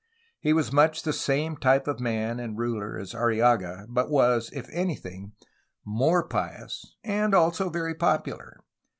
He was much the same type of man and ruler as Arrillaga, but was, if anything, more pious and also very popular.